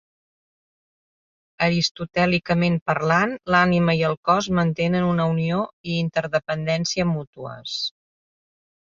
Aristotèlicament parlant, l'ànima i el cos mantenen una unió i interdependència mútues.